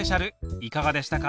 いかがでしたか？